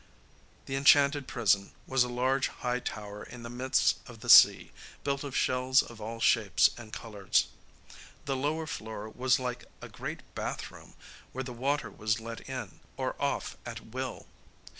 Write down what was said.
The enchanted prison was a large high tower in the midst of the sea, built of shells of all shapes and colours. The lower floor was like a great bathroom, where the water was let in or off at will.